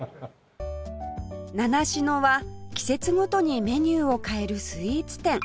ナナシノは季節ごとにメニューを変えるスイーツ店